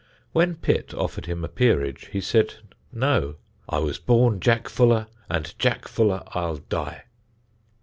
When Pitt offered him a peerage he said no: "I was born Jack Fuller and Jack Fuller I'll die."